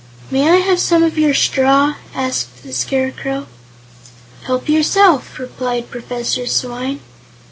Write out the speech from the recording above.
"May I have some of your straw?" asked the Scarecrow. "Help yourself," replied Professor Swyne.